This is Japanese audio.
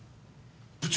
部長。